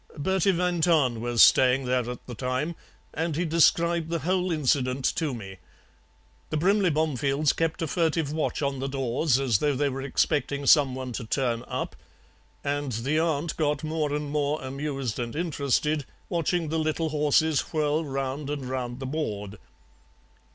Bertie van Tahn was staying there at the time, and he described the whole incident to me. The Brimley Bomefields kept a furtive watch on the doors as though they were expecting some one to turn up, and the aunt got more and more amused and interested watching the little horses whirl round and round the board.